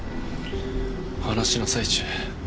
話の最中